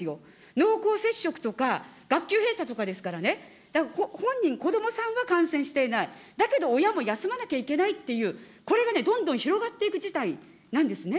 濃厚接触とか学級閉鎖とかですからね、本人、子どもさんは感染していない、だけど親も休まなきゃいけないっていう、これが、どんどん広がっていく事態なんですね。